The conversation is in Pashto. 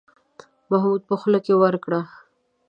محمود په خوله کې ورکړه.